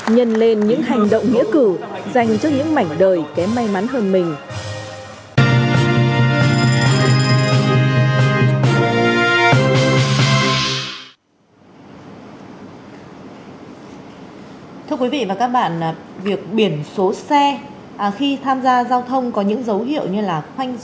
nhân lên những người thân và những người xung quanh